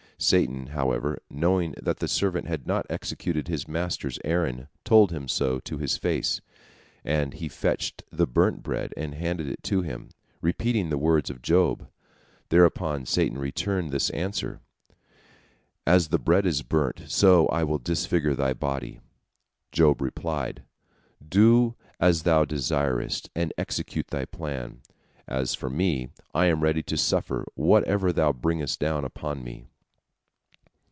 Satan, however, knowing that the servant had not executed his master's errand, told him so to his face, and he fetched the burnt bread and handed it to him, repeating the words of Job. Thereupon Satan returned this answer, "As the bread is burnt, so I will disfigure thy body." Job replied: "Do as thou desirest, and execute thy plan. As for me, I am ready to suffer whatever thou bringest down upon me."